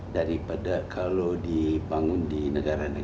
daripada kalau dibangun dengan harga yang lebih tinggi